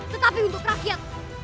tetapi untuk rakyat